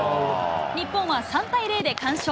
日本は３対０で完勝。